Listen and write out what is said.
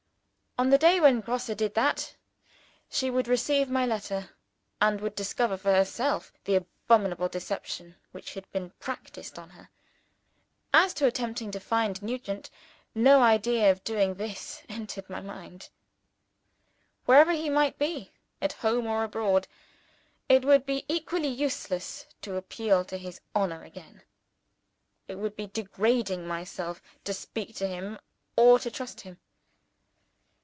On the day when Grosse did that, she would receive my letter, and would discover for herself the abominable deception which had been practiced on her. As to attempting to find Nugent, no idea of doing this entered my mind. Wherever he might be, at home or abroad, it would be equally useless to appeal to his honor again. It would be degrading myself to speak to him or to trust him.